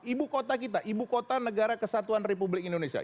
ibu kota kita ibu kota negara kesatuan republik indonesia